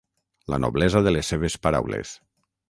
La noblesa de les seves paraules.